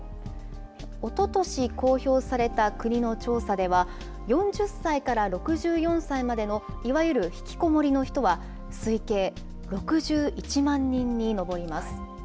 おととし公表された国の調査では、４０歳から６４歳までのいわゆるひきこもりの人は、推計６１万人に上ります。